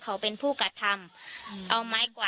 ต้องรอผลพิสูจน์จากแพทย์ก่อนนะคะ